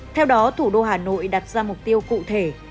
theo đó thủ đô hà nội đặt ra mục tiêu cụ thể